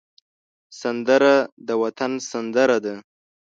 سندره د وطن سندره ده